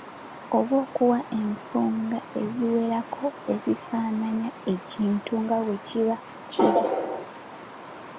Oba okuwa ensonga eziwerako ezifaananya ekintu nga bwe kiba kiri.